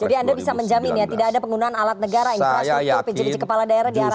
jadi anda bisa menjamin ya tidak ada penggunaan alat negara infrastruktur pjbj kepala daerah diarahkan